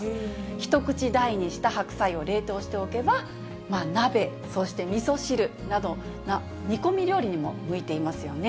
一口大にした白菜を冷凍しておけば、鍋、そしてみそ汁など、煮込み料理にも向いていますよね。